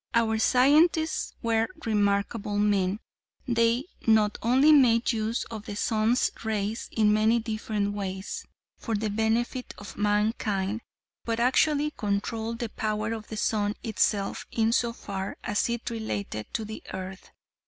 Our scientists were remarkable men; they not only made use of the sun's rays in many different ways for the benefit of mankind, but actually controlled the power of the sun itself insofar as it related to the earth.